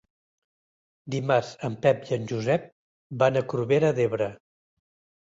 Dimarts en Pep i en Josep van a Corbera d'Ebre.